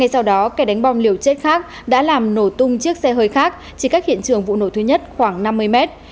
sau đó kẻ đánh bom liều chết khác đã làm nổ tung chiếc xe hơi khác chỉ cách hiện trường vụ nổ thứ nhất khoảng năm mươi mét